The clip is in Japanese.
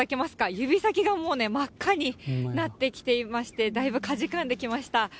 指先がもうね、真っ赤になってきていまして、だいぶかじかんできました。